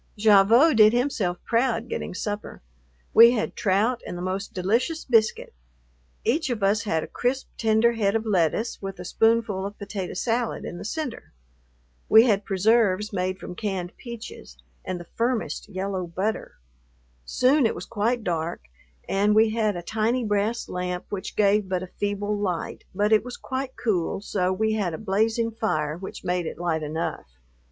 Gavotte did himself proud getting supper. We had trout and the most delicious biscuit. Each of us had a crisp, tender head of lettuce with a spoonful of potato salad in the center. We had preserves made from canned peaches, and the firmest yellow butter. Soon it was quite dark and we had a tiny brass lamp which gave but a feeble light, but it was quite cool so we had a blazing fire which made it light enough.